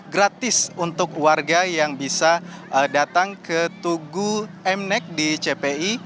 gratis untuk warga yang bisa datang ke tugu mnek di cpi